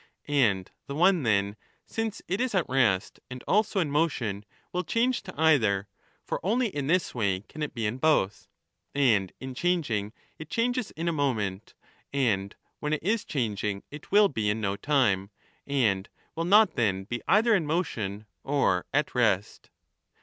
And the one then, since it is at rest and also in motion, will change to either, for only in this way can it be in both. And in changing it changes in a moment, and when it is changing it will be in no time, and will not then be either in motion or at rest.